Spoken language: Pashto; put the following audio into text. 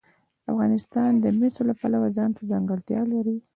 افغانستان د مس د پلوه ځانته ځانګړتیا لري.